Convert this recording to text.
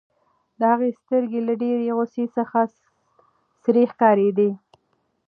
د هغه سترګې له ډېرې غوسې څخه سرې ښکارېدې.